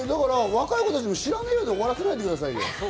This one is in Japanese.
若い子たちも知らないで終わらせないでくださいよ。